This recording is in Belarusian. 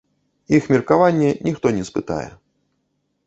Іх меркаванне ніхто не спытае.